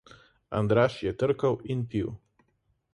Andraž je trkal in pil.